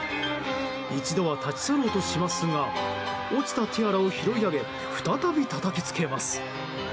一度は立ち去ろうとしますが落ちたティアラを拾い上げ再びたたきつけます。